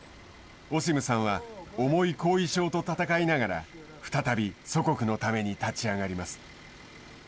オシムさんは重い後遺症と闘いながら再び祖国のために立ち上がります。